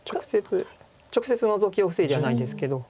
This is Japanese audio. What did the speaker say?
直接ノゾキを防いではないですけど。